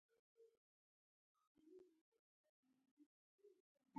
دوی له خپل انګړه هخوا او دېخوا لاړ نه شول.